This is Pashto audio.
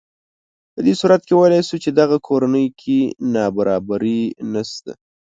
په دې صورت کې ویلی شو چې دغه کورنۍ کې نابرابري نهشته